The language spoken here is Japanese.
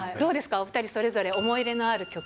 お２人それぞれ思い出のある曲。